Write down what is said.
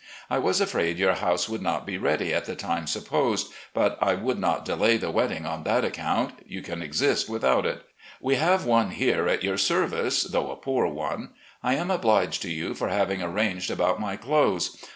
I was afraid your house would not be ready at the time supposed, but I would not delay the wedding on that account — ^you can exist without it. We have one here at your service, though a poor one. I am obliged to you for having arranged about my clothes.